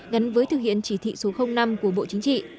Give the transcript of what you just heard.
gắn với thực hiện chỉ thị số năm của bộ chính trị